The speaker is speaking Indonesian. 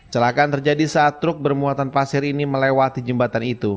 celakaan terjadi saat truk bermuatan pasir ini melewati jembatan itu